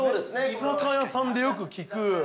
◆居酒屋さんで、よく聞く。